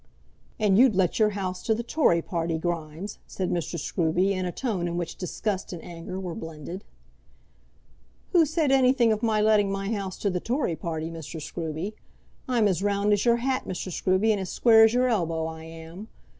"And you'd let your house to the Tory party, Grimes!" said Mr. Scruby, in a tone in which disgust and anger were blended. "Who said anything of my letting my house to the Tory party, Mr. Scruby? I'm as round as your hat, Mr. Scruby, and as square as your elbow; I am.